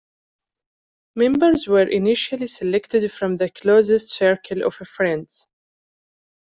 Members were initially selected from the closest circle of friends.